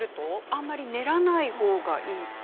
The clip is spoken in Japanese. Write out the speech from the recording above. あんまり練らないほうがいいって。